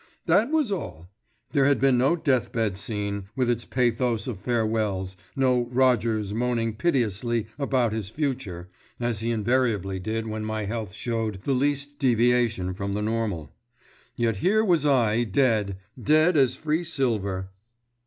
That was all. There had been no death bed scene, with its pathos of farewells, no Rogers moaning piteously about his future, as he invariably did when my health showed the least deviation from the normal. Yet here was I dead—dead as Free Silver.